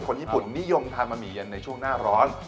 คนญี่ปุ่นนิยมทานบะหมี่เย็นในช่วงหน้าร้อน